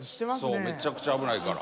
そうめちゃくちゃ危ないから。